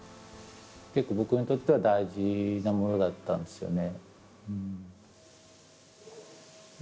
結構僕にとっては大事なものだったんですよね。